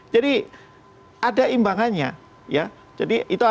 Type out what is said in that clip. jadi ada imbangannya